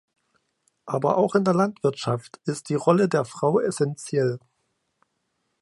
Aber auch in der Landwirtschaft ist die Rolle der Frau essentiell.